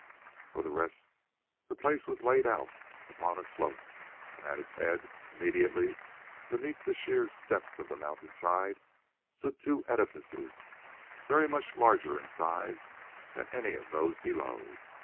For the rest the place was laid out upon a slope, and at its head, immediately beneath the sheer steps of the mountain side stood two edifices very much larger in size than any of those below.